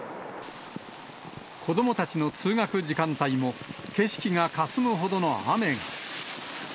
子どもたちの通学時間帯も、景色がかすむほどの雨が。